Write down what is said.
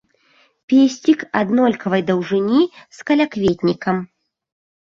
Песцік аднолькавай даўжыні з калякветнікам.